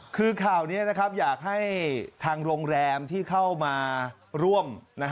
คือข่าวนี้อยากให้ทางโรงแรมที่เข้ามาร่วม